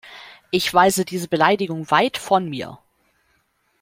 Ich weise diese Beleidigung weit von mir.